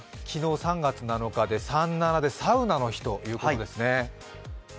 昨日、３月７日で、３７でサウナの日ということですね。